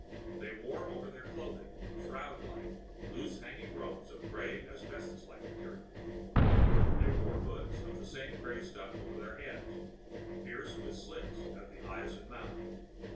They wore over their clothing shroud like, loose hanging robes of gray, asbestos like material. They wore hoods of the same gray stuff over their heads, pierced with slits at the eyes and mouth.